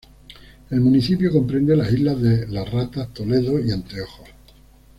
El municipio comprende las islas: de las Ratas, Toledo, y Anteojos.